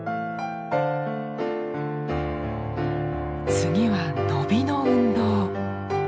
次は伸びの運動。